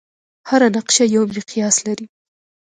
هره نقشه یو مقیاس لري.